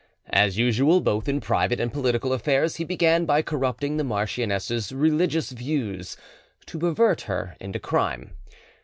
As usual both in private and political affairs, he began by corrupting the marchioness's religious views, to pervert her into crime.